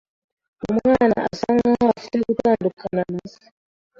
Umwana asa nkaho afite gutandukana na Se